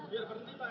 biar berhenti pak